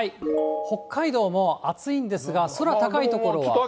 北海道も暑いんですが、空高い所は。